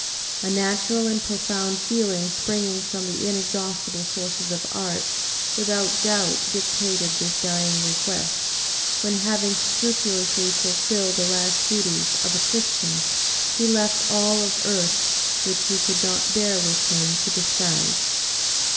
A natural and profound feeling springing from the inexhaustible sources of art, without doubt dictated this dying request, when having scrupulously fulfilled the last duties of a Christian, he left all of earth which he could not bear with him to the skies.